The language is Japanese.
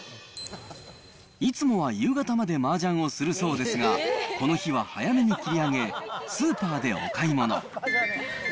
いつもは夕方までマージャンをするそうですが、この日は早めに切り上げ、スーパーでお買い物。